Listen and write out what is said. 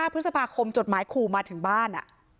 พฤษภาคมจดหมายขู่มาถึงบ้าน